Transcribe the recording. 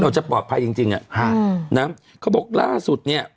เราจะปลอดภัยจริงอ่ะอื้อนะฮะเค้าบอกล่าสุดเนี่ย